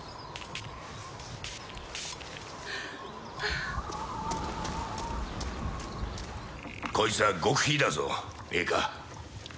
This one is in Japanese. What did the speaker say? あこいつは極秘だぞええか？